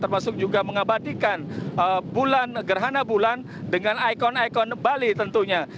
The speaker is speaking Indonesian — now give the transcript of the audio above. termasuk juga mengabadikan bulan gerhana bulan dengan ikon ikon bali tentunya